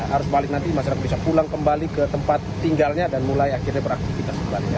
arus balik nanti masyarakat bisa pulang kembali ke tempat tinggalnya dan mulai akhirnya beraktivitas sebaliknya